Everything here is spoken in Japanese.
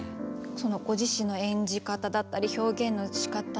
ご自身の演じ方だったり表現のしかた。